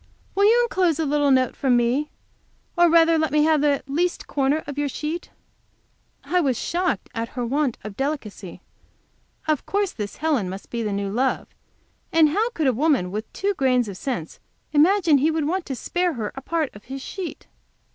Will you enclose a little note from me? Or rather let me have the least corner of your sheet?" I was shocked at her want of delicacy. Of course this Helen must be the new love, and how could a woman with two grains of sense imagine he would want to spare her a part of his sheet!